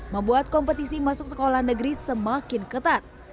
membuat kompetisi masuk sekolah negeri semakin ketat